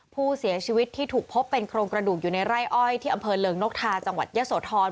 ผู้เสียชีวิตที่ถูกพบเป็นโครงกระดูกอยู่ในไร่อ้อยที่อำเภอเริงนกทาจังหวัดเยอะโสธร